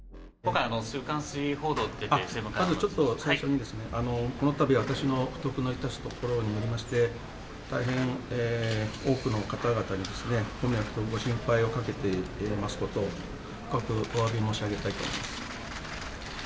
今回、まずちょっと最初にですね、このたびは私の不徳の致すところによりまして、大変多くの方々にご迷惑とご心配をかけていますこと、深くおわび申し上げたいと思います。